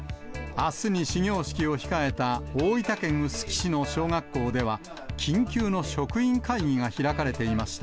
あすに始業式を控えた大分県臼杵市の小学校では、緊急の職員会議が開かれていました。